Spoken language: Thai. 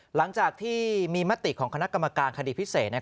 หลังจากที่มีมติของคณะกรรมการคดีพิเศษ